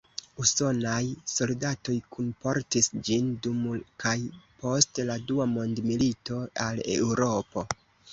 Usonaj soldatoj kunportis ĝin dum kaj post la Dua Mondmilito al Eŭropo.